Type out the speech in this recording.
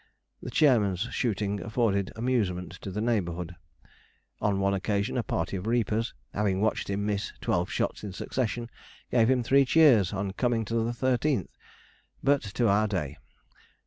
The chairman's shooting afforded amusement to the neighbourhood. On one occasion a party of reapers, having watched him miss twelve shots in succession, gave him three cheers on coming to the thirteenth but to our day.